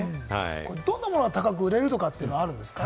どんなものが高く売れるとかあるんですか？